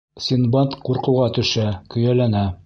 Синдбад ҡурҡыуға төшә, көйәләнә.